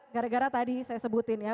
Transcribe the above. gara gara tadi saya sebutin ya